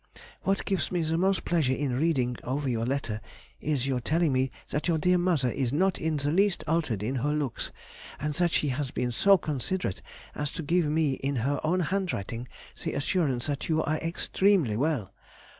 What gives me the most pleasure in reading over your letter, is your telling me that your dear mother is not in the least altered in her looks, and that she has been so considerate as to give me in her own handwriting the assurance that you are extremely well.